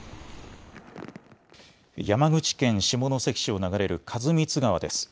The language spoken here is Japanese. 山口県下関市を流れる員光川です。